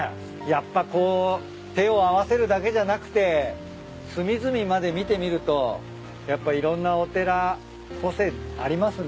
やっぱこう手を合わせるだけじゃなくて隅々まで見てみるとやっぱいろんなお寺個性ありますね。